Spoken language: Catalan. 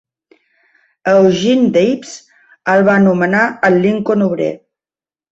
Eugene Debs el va anomenar el Lincoln obrer.